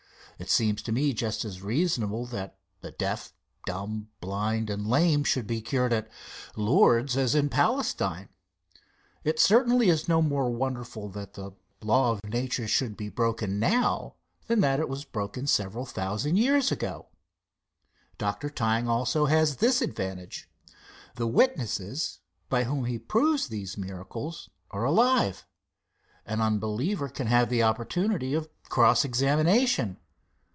It seems to me just as reasonable that the deaf, dumb, blind and lame, should be cured at Lourdes as at Palestine. It certainly is no more wonderful that the law of nature should be broken now than that it was broken several thousand years ago. Dr. Tyng also has this advantage. The witnesses by whom he proves these miracles are alive. An unbeliever can have the opportunity of cross examination.